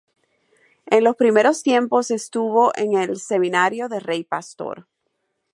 En los primeros tiempos estuvo en el seminario de Rey Pastor.